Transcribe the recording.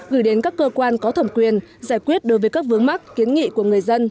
gửi đến các cơ quan có thẩm quyền giải quyết đối với các vướng mắc kiến nghị của người dân